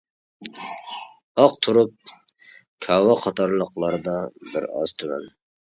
ئاق تۇرۇپ، كاۋا قاتارلىقلاردا بىر ئاز تۆۋەن.